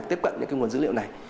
tiếp cận những nguồn dữ liệu này